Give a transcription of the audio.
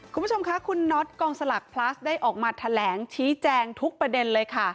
คุณผู้ชมค่ะคุณน็อตกองสลักพลัสได้ออกมาแถลงชี้แจงทุกประเด็นเลยค่ะ